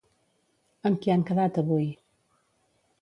Amb qui han quedat avui?